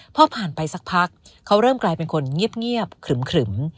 พอผ่านไปสักพักเขาเริ่มกลายเป็นคนเงียบขรึม